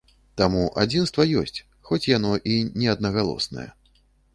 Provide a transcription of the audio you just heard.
Таму, адзінства ёсць, хоць яно і не аднагалоснае.